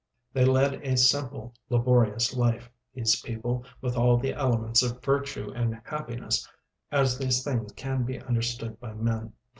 They led a simple, laborious life, these people, with all the elements of virtue and happiness as these things can be understood by men.